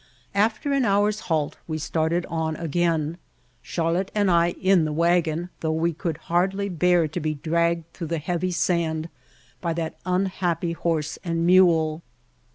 After an hour's halt we started on again, Charlotte and I in the wagon, though we could hardly bear to be dragged through the heavy sand by that unhappy horse and mule.